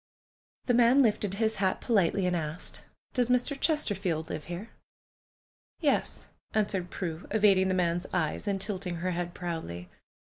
'' The man lifted his hat politely, and asked: "Does Mr. Chesterfield live here?" "Yes," answered Prue, evading the man's eyes and tilting her head proudly.